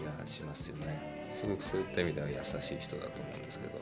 すごくそういった意味では優しい人だと思うんですけど。